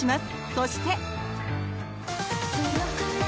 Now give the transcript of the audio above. そして。